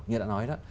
như đã nói đó